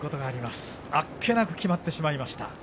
あっけなくきまってしまいました。